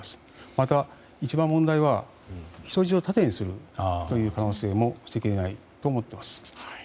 また、一番問題は人質を盾にする可能性も捨てきれないと思っています。